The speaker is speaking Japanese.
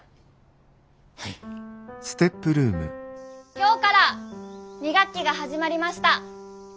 今日から２学期が始まりました。